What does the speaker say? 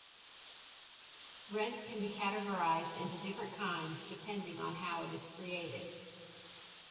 Rent can be categorised into different kinds depending on how it is created.